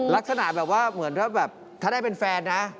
ลักษณะแบบว่าเหมือนถ้าแบบถ้าได้เป็นแฟนนะ